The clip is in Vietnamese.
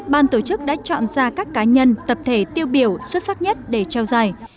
ban tổ chức đã chọn ra các cá nhân tập thể tiêu biểu xuất sắc nhất để trao giải